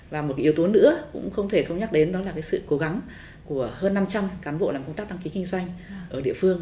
và một yếu tố nữa cũng không thể không nhắc đến đó là sự cố gắng của hơn năm trăm linh cán bộ làm công tác đăng ký kinh doanh ở địa phương